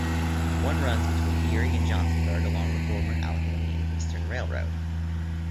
One runs between Erie and Johnsonburg along the former Allegheny and Eastern Railroad.